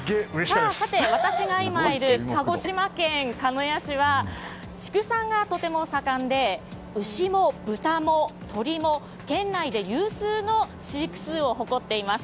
私が今いる鹿児島県鹿屋市は畜産がとても盛んで牛も豚も鶏も県内で有数の飼育数を誇っています。